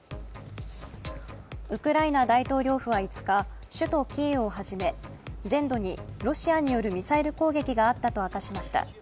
ウクライナ大統領府は５日首都キーウをはじめ全土にロシアによるミサイル攻撃があったと明かしました。